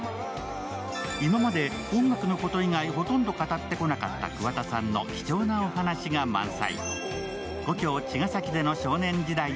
今まで音楽のこと以外ほとんど語ってこなかった桑田さんの貴重なお話が満載。